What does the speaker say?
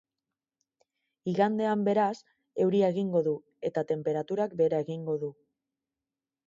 Igandean, beraz, euria egingo du eta tenperaturak behera egingo du.